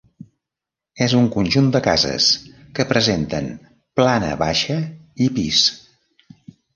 És un conjunt de cases que presenten plana baixa i pis.